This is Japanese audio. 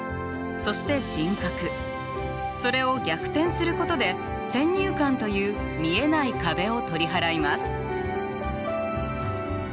それを逆転することで先入観という見えない壁を取り払います。